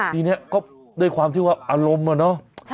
ทีนี้ก็ด้วยความที่ว่าอารมณ์อะเนาะ